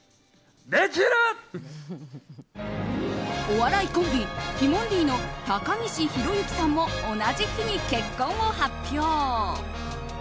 お笑いコンビ・ティモンディの高岸宏行さんも同じ日に結婚を発表。